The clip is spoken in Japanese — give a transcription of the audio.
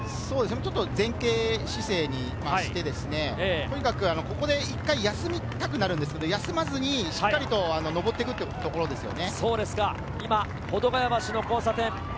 前傾姿勢にしてとにかくここで一旦休みたくなるんですけど、休まずにしっかりと上っていくというところですね。